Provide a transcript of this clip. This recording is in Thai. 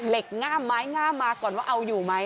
ง่ามไม้งามมาก่อนว่าเอาอยู่ไหม